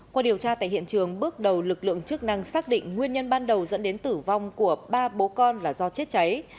qua điều tra tại hiện trường bước đầu lực lượng chức năng xác định nguyên nhân ban đầu dẫn đến tử vong của ba bố con là do chết cháy